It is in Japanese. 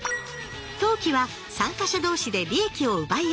投機は参加者同士で利益を奪い合う。